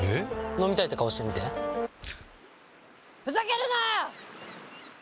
飲みたいって顔してみてふざけるなー！